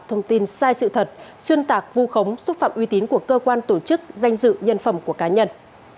thông tin sai sự thật xuyên tạc vu khống xúc phạm uy tín của cơ quan tổ chức danh dự nhân phẩm của cá nhân